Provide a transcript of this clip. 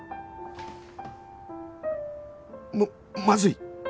ままずい！